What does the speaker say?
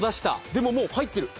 でももう入ってる。